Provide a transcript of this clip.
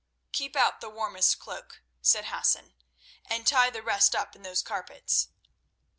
"Keep out the warmest cloak," said Hassan, "and tie the rest up in those carpets."